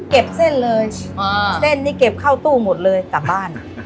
เส้นเลยเส้นนี้เก็บเข้าตู้หมดเลยกลับบ้าน